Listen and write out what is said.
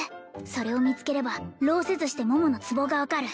それを見つければ労せずして桃のツボが分かる